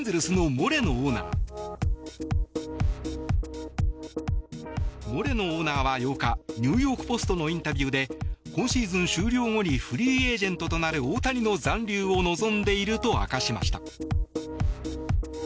モレノオーナーは８日ニューヨーク・ポストのインタビューで今シーズン終了後にフリーエージェントとなる大谷の残留を望んでいると明かしました。